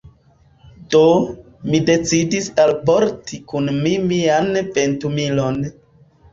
Do, mi decidis alporti kun mi mian ventumilon.